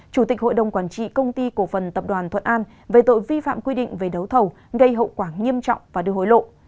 chủ tịch hội đồng quản trị công ty cổ phần tập đoàn thuận an về tội vi phạm quy định về đấu thầu gây hậu quả nghiêm trọng và đưa hối lộ